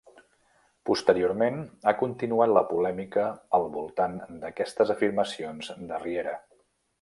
Posteriorment, ha continuat la polèmica al voltant d'aquestes afirmacions de Riera.